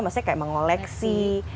maksudnya kayak mengoleksi